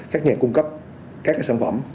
các nhà cung cấp các sản phẩm